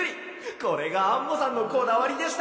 これがアンモさんのこだわりでしたか。